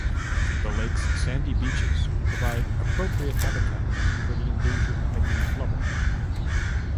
The lake's sandy beaches provide appropriate habitat for the endangered piping plover.